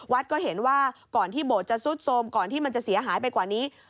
ก็เห็นว่าก่อนที่โบสถจะซุดโทรมก่อนที่มันจะเสียหายไปกว่านี้